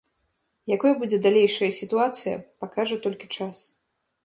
Якой будзе далейшая сітуацыя, пакажа толькі час.